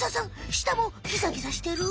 したもギザギザしてる！？